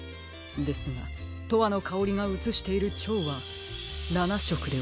ですが「とわのかおり」がうつしているチョウは７しょくではなく５しょくです。